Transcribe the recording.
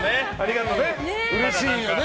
うれしいよね。